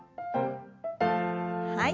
はい。